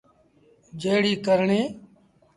جيڙي ڪرڻيٚ۔